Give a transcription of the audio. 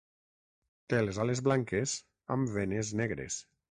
Té les ales blanques amb venes negres.